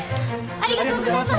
ありがとうございます！